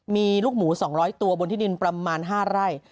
มีลูกหมู๒๐๐ตัวบนที่ดินประมาณ๕ไร่